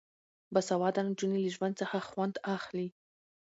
باسواده نجونې له ژوند څخه خوند اخلي.